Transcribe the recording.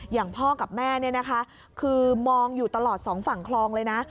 อย่างพ่อกับแม่คือมองอยู่ตลอดสองฝั่งคลองเลยนะ